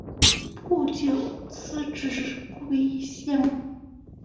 不久辞职归乡。